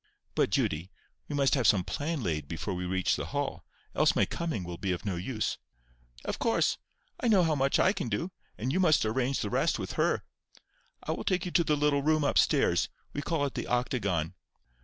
"But, Judy, we must have some plan laid before we reach the Hall; else my coming will be of no use." "Of course. I know how much I can do, and you must arrange the rest with her. I will take you to the little room up stairs—we call it the octagon.